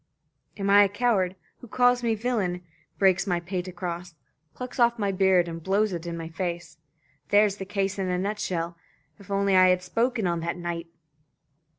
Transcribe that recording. Am I a coward? Who calls me villain? Breaks my pate across? Plucks off my beard, and blows it in my face? There's the case in a nutshell. If only I had spoken on that night!"